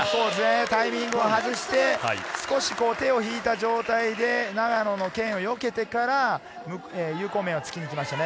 タイミングを外して、少し手を引いた状態で永野の剣をよけてから、有効面を突きに行きましたね。